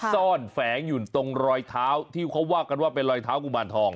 แฝงอยู่ตรงรอยเท้าที่เขาว่ากันว่าเป็นรอยเท้ากุมารทอง